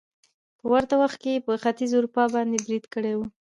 په ورته وخت کې يې په ختيځې اروپا باندې بريد کړی وو